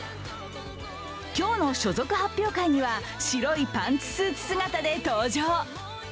今日の所属発表会には白いパンツスーツ姿で登場。